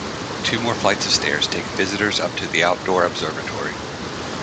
Two more flights of stairs take visitors up to the Outdoor Observatory.